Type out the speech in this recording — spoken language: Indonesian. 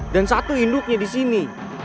dan satu hinduknya disini